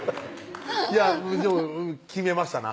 いやでも決めましたな